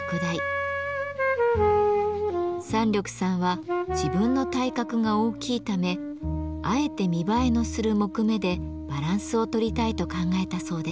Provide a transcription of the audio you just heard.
山緑さんは自分の体格が大きいためあえて見栄えのする木目でバランスをとりたいと考えたそうです。